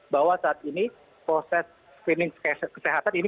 bahwa saat ini proses screening kesehatan ini